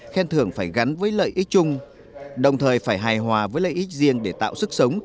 khen thưởng phải gắn với lợi ích chung đồng thời phải hài hòa với lợi ích riêng để tạo sức sống